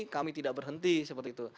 kami tidak berhenti seperti itu